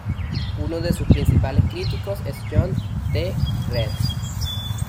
Uno de sus principales críticos es John T. Reed.